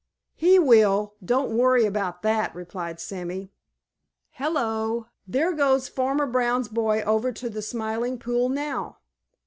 "He will. Don't worry about that," replied Sammy. "Hello! There goes Farmer Brown's boy over to the Smiling Pool now."